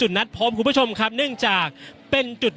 อย่างที่บอกไปว่าเรายังยึดในเรื่องของข้อ